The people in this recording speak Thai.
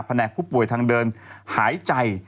แหนกผู้ป่วยทางเดินหายใจ